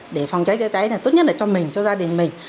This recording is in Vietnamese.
để phòng cháy chữa cháy tốt nhất là cho mình cho gia đình mình